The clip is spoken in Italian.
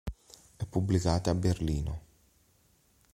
È pubblicata a Berlino.